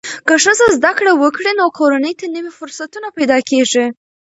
که ښځه زده کړه وکړي، نو کورنۍ ته نوې فرصتونه پیدا کېږي.